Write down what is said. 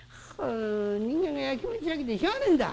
人間がやきもちやきでしょうがねえんだ。